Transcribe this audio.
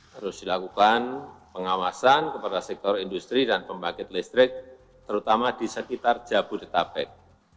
terus dilakukan pengawasan kepada sektor industri dan pembangkit listrik terutama di sekitar jabodetabek